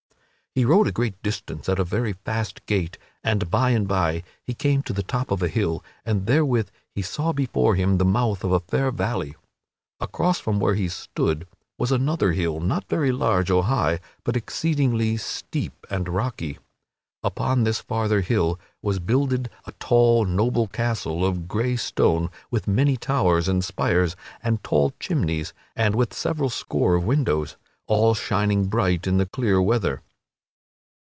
He rode a great distance at a very fast gait and by and by he came to the top of a hill and therewith he saw before him the mouth of a fair valley. Across from where he stood was another hill not very large or high, but exceedingly steep and rocky. Upon this farther hill was builded a tall, noble castle of gray stone with many towers and spires and tall chimneys and with several score of windows, all shining bright in the clear weather.